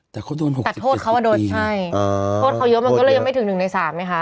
แต่เขาโดนหกแต่โทษเขาอ่ะโดนใช่โทษเขาเยอะมันก็เลยยังไม่ถึงหนึ่งในสามไหมคะ